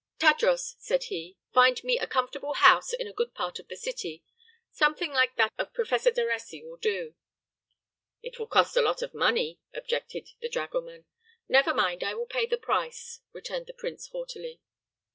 "Tadros," said he, "find me a comfortable house in a good part of the city. Something like that of Professor Daressy will do." "It will cost a lot of money," objected the dragoman. "Never mind; I will pay the price," returned the prince, haughtily.